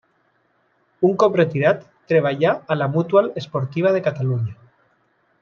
Un cop retirat treballà a la Mutual Esportiva de Catalunya.